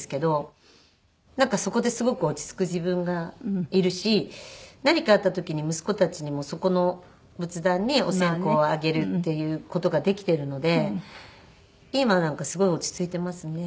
なんかそこですごく落ち着く自分がいるし何かあった時に息子たちにもそこの仏壇にお線香をあげるっていう事ができているので今はなんかすごい落ち着いてますね。